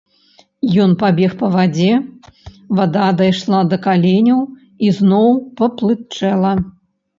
Ён пабег па вадзе, вада дайшла да каленяў і зноў паплытчэла.